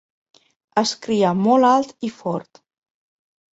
Es cria molt alt i fort.